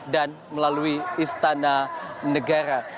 dan melalui istana negara